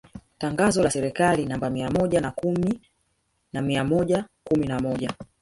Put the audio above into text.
Tangazo la Serikali namba mia moja na kumi na mia moja kumi na moja